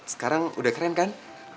sekarang udah keren kan